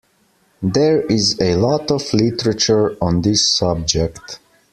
There is a lot of Literature on this subject.